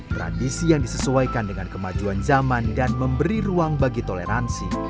tradisi yang disesuaikan dengan kemajuan zaman dan memberi ruang bagi toleransi